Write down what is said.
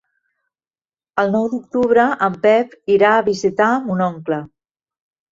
El nou d'octubre en Pep irà a visitar mon oncle.